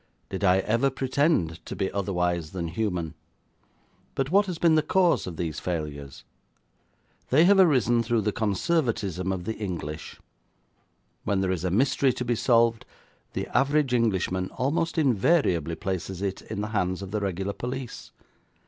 Did I ever pretend to be otherwise than human? But what has been the cause of these failures? They have arisen through the conservatism of the English. When there is a mystery to be solved, the average Englishman almost invariably places it in the hands of the regular police.